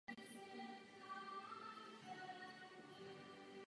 Podobná povinnost je však i nadále běžná i v některých dalších zemích Evropské unie.